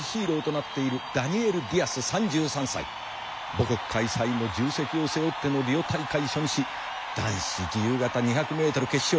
母国開催の重責を背負ってのリオ大会初日男子自由形２００ｍ決勝。